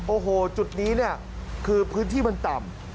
โอ้โหจุดนี้เนี่ยคือพื้นที่มันต่ำ